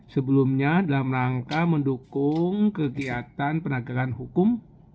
sebelumnya dalam rangka mendukung kegiatan penegakan hukum